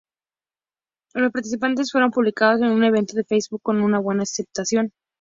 Los participantes fueron publicados en un evento de Facebook con una buena aceptación.